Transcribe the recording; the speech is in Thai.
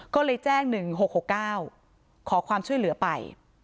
ก็เลยแจ้ง๑๖๖๙ขอความช่วยเหลือไป